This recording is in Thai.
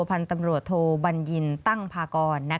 ผ่านตำรวจโทบัญญินตั้งพากร